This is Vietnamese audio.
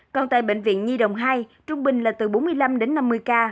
còn tại bệnh viện nhi đồng hai trung bình là từ bốn mươi năm đến năm mươi ca